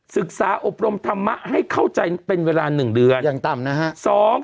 ศึกษาอบรมธรรมะให้เข้าใจเป็นเวลา๑เดือน